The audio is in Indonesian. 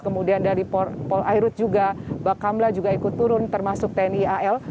kemudian dari polairut juga bakamla juga ikut turun termasuk tni al